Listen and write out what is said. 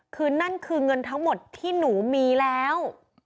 คือนั่นคือเงินทั้งหมดที่หนูมีแล้ว